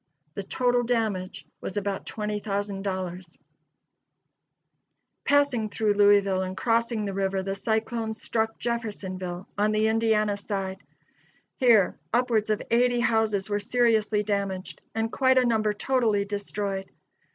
The total damage was about $20,000. [Illustration: VIEW AT JEFFERSONVILLE.] Passing through Louisville and crossing the river, the cyclone struck Jeffersonville, on the Indiana side. Here, upwards of eighty houses were seriously damaged, and quite a number totally destroyed.